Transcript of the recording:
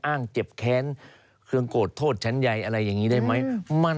อ้างเจ็บแค้นเครื่องโกรธโทษชั้นใยอะไรอย่างนี้ได้ไหม